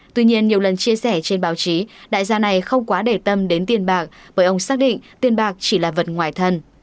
tuy nhiên nhiều lần chia sẻ trên báo chí đại gia này không quá để tâm đến tiền bạc bởi ông xác định tiền bạc chỉ là vật ngoại thần